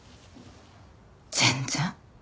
全然。